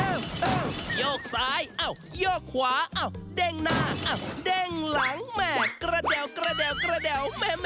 เอายกซ้ายเอายกขวาเน่งหน้าเน่งหลังกระดับกระดับ